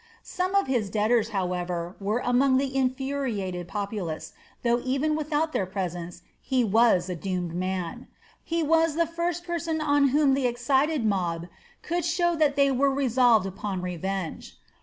Some of his debtors, however, were among the infuriated populace, though even without their presence he was a doomed man; for he was the first person on whom the excited mob could show that they were resolved upon revenge.